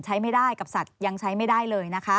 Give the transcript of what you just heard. ใช้ไม่ได้กับสัตว์ยังใช้ไม่ได้เลยนะคะ